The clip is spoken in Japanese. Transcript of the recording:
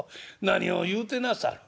何を言うてなさる。